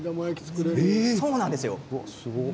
そうなんですよ。